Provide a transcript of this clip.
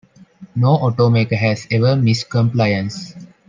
No automaker has ever missed compliance.